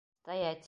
Стоять!